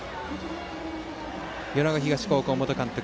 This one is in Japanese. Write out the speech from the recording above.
米子東高校元監督